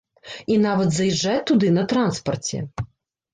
І нават заязджаць туды на транспарце.